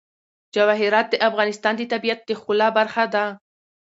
جواهرات د افغانستان د طبیعت د ښکلا برخه ده.